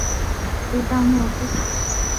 日当诺夫卡小涅瓦河两条分流之一。